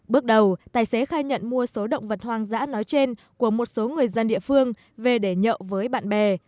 bước đầu tài xế khai nhận mua số động vật hoang dã nói trên của một số người dân địa phương về để nhậu với bạn bè